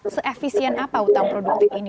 se efisien apa utang produktif